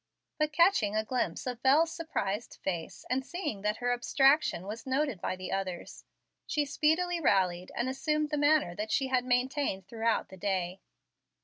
But catching a glimpse of Bel's surprised face, and seeing that her abstraction was noted by the others, she speedily rallied, and assumed the manner that she had maintained throughout the day.